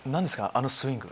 あのスイング。